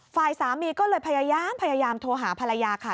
ฝ่ายสามีก็เลยพยายามพยายามโทรหาภรรยาค่ะ